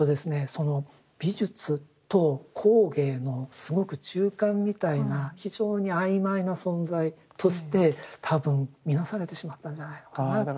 その美術と工芸のすごく中間みたいな非常に曖昧な存在として多分見なされてしまったんじゃないのかなっていうのが。